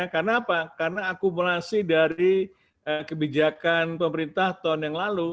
karena apa karena akumulasi dari kebijakan pemerintah tahun yang lalu